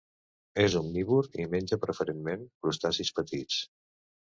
És omnívor i menja, preferentment, crustacis petits.